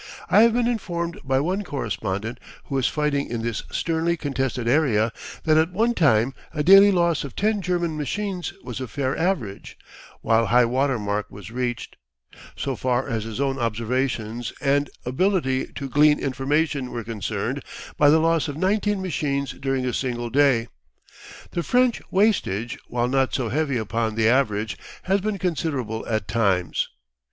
I have been informed by one correspondent who is fighting in this sternly contested area, that at one time a daily loss of ten German machines was a fair average, while highwater mark was reached, so far as his own observations and ability to glean information were concerned by the loss of 19 machines during a single day. The French wastage, while not so heavy upon the average, has been considerable at times.